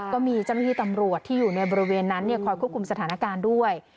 ก็มีเจ้าหน้าที่ตำรวจที่อยู่ในบริเวณนั้นคอยควบคุมสถานการณ์ด้วย